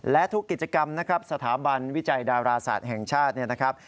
และทุกกิจกรรมนะครับสถาบันวิจัยดาราศาสตร์แห่งชาติเนี่ยนะครับ